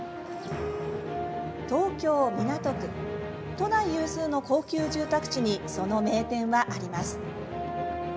都内有数の高級住宅地にその名店はあります。